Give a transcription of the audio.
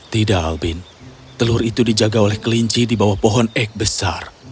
tidak albin telur itu dijaga oleh kelinci di bawah pohon ek besar